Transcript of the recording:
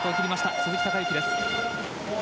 鈴木孝幸です。